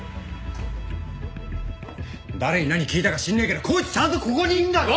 誰に何聞いたか知んねえけどこいつちゃんとここにいんだろ！